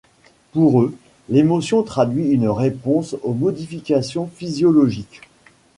Pour eux, l'émotion traduit une réponse aux modifications physiologiques.